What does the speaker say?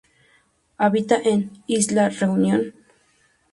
Habita en Isla Reunion.